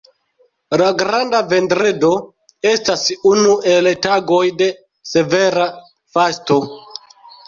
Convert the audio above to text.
La Granda vendredo estas unu el tagoj de severa fasto.